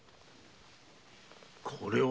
これは？